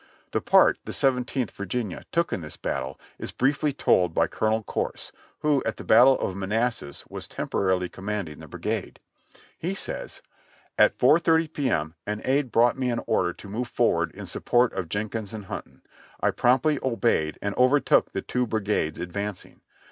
The part that the Seventeenth Virginia took in this battle is briefly told by Colonel Corse, who at the Battle of Manassas was temporarily commanding the brigade. He says : "At 4.30 P. M. an aide brought me an order to move forward in support of Jenkins and Hunton ; I promptly obeyed and over took the two brigades advancing.